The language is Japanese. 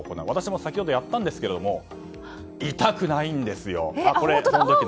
私も先ほどやったんですけど痛くないんですよ。